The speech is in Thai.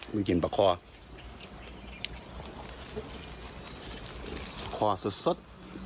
ไม่กินปลาคอร์ปลาคอร์สุดสด